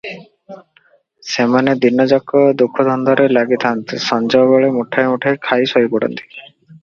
ସେମାନେ ଦିନ ଯାକ ଦୁଃଖଧନ୍ଦାରେ ଲାଗିଥାନ୍ତ, ସଞ୍ଜ ହେଲେ ମୁଠାଏ ମୁଠାଏ ଖାଇ ଶୋଇପଡନ୍ତି ।